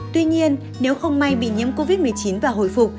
tuy nhiên nếu không may bị nhiễm covid một mươi chín và hồi phục